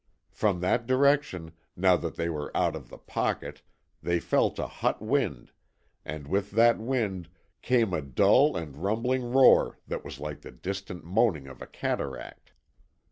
From that direction, now that they were out of the "pocket," they felt a hot wind, and with that wind came a dull and rumbling roar that was like the distant moaning of a cataract.